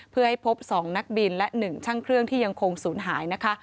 เพื่อให้พบ๒นักบินและ๑ช่างเครื่องที่ยังคงศูนย์หายนะคะ